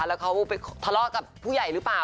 แล้วเขาไปทะเลาะกับผู้ใหญ่หรือเปล่า